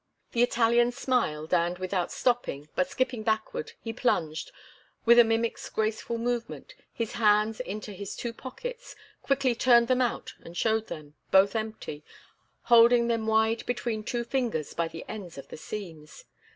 The Italian smiled, and, without stopping, but skipping backward, he plunged, with a mimic's graceful movement, his hands into his two pockets, quickly turned them out and showed them, both empty, holding them wide between two fingers by the ends of the seams.